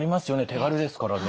手軽ですからね。